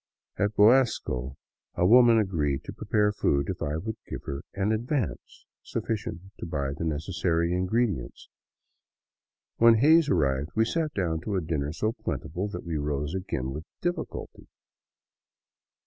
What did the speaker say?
At Boesaco a woman agreed to prepare food if I would give her an " advance " sufficient to buy the necessary ingredients. When Hays arrived, we sat down to a dinner so plentiful that we rose again with difficulty.